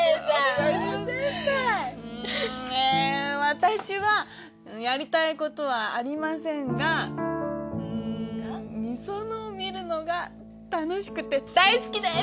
私はやりたいことはありませんがうん美園を見るのが楽しくて大好きです！